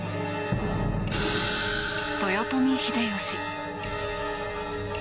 豊臣秀吉。